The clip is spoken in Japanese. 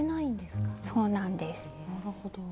なるほど。